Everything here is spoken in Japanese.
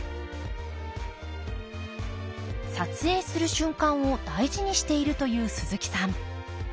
撮影する瞬間を大事にしているという鈴木さん。